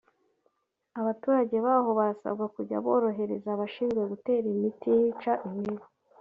abaturage baho barasabwa kujya borohereza abashinzwe gutera imiti yica imibu